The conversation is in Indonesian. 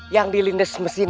yang dilindes mesin giling